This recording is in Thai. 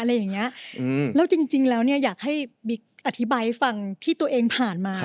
แล้วจริงแล้วเนี่ยอยากให้บิ๊กอธิบายฟังที่ตัวเองผ่านมา